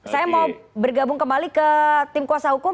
saya mau bergabung kembali ke tim kuasa hukum